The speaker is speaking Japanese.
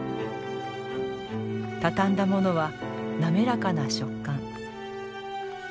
畳んだものは滑らかな食感。